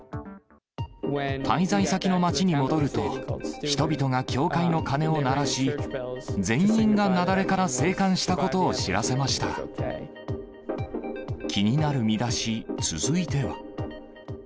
滞在先の町に戻ると、人々が教会の鐘を鳴らし、全員が雪崩から生還したことを知らせま気になるミダシ、続いては。